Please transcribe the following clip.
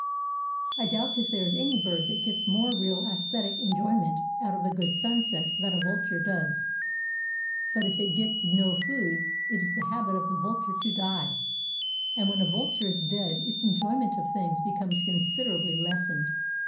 I doubt if there is any bird that gets more real aesthetic enjoyment out of a good sunset than a vulture does; but if it gets no food it is the habit of the vulture to die, and when a vulture is dead its enjoyment of things becomes considerably lessened.